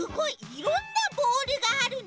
いろんなボールがあるね。